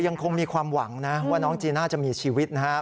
ยังคงมีความหวังนะว่าน้องจีน่าจะมีชีวิตนะครับ